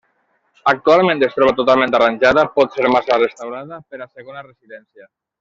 Actualment es troba totalment arranjada, potser massa restaurada, per a segona residència.